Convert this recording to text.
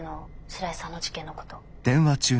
白井さんの事件のこと。